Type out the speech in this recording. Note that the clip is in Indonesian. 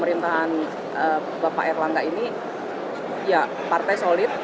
pemerintahan bapak erlangga ini ya partai solid